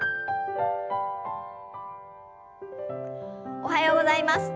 おはようございます。